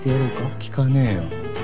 聞かねえよ。